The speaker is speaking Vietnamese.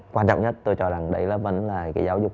quan trọng nhất tôi cho là đấy vẫn là cái giáo dục